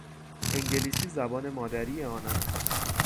انگلیسی زبان مادری آنان است.